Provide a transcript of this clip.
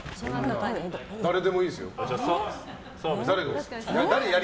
誰でもいいですよ。